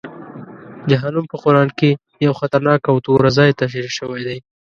جهنم په قرآن کې یو خطرناک او توره ځای تشریح شوی دی.